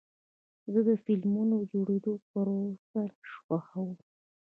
زه د فلمونو د جوړېدو پروسه خوښوم.